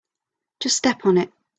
Just step on it.